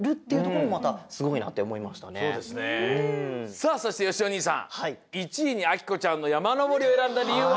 さあそしてよしお兄さん１いにあきこちゃんのやまのぼりをえらんだりゆうは？